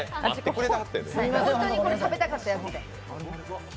ホントにこれ食べたかったやつ。